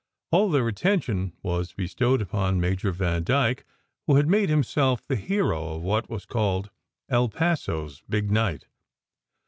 All their attention was bestowed upon Major Vandyke, who had made himself the hero of what was called "El Paso s Big Night."